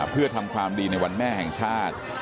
เพื่อทำความดีในวันแม่แห่งชาติ